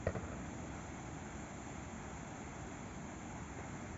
কাল রাত্রে আমি নিজেই রান্না করেছিলাম।